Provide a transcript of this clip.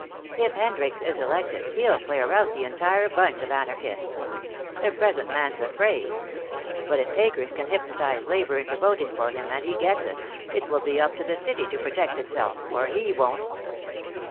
"If Hendricks is elected he'll clear out the entire bunch of anarchists. The present man's afraid. But if Akers can hypnotize labor into voting for him, and he gets it, it will be up to the city to protect itself, for he won't.